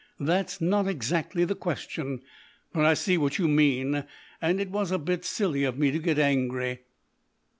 "That's not exactly the question, but I see what you mean, and it was a bit silly of me to get angry."